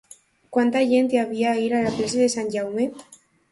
Quanta gent hi havia ahir a la plaça de Sant Jaume?